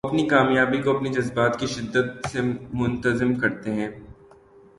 وہ اپنی کامیابی کو اپنے جذبات کی شدت سے منتظم کرتے ہیں۔